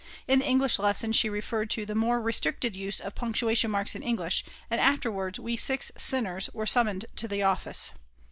In the English lesson she referred to the more restricted use of punctuation marks in English; and afterwards we 6 sinners were summoned to the office.